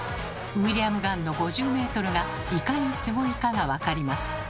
ウィリアム・ガンの５０ｍがいかにスゴいかが分かります。